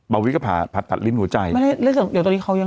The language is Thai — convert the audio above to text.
บ่าววีก็ผ่าผัดตัดลิ้นหัวใจไม่ได้เล่นอย่างตอนนี้เขายัง